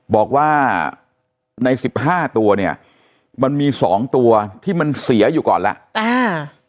บอกว่าใน๑๕ตัวเนี่ยมันมี๒ตัวที่มันเสียอยู่ก่อนแล้ว